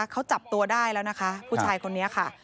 เขาจับตัวได้แล้วนะคะผู้ชายคนนี้ค่ะ